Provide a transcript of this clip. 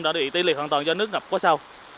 đã bị tê liệt hoàn toàn do nước ngập quá sâu